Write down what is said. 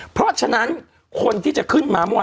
เพราะฉะนั้นคนที่จะขึ้นมาเมื่อวาน